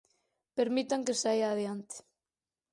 Permitan que saia adiante.